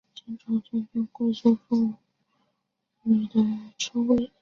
清朝时用作贵族妇女的称谓。